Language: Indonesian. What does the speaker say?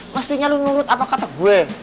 mestinya lu menurut apa kata gue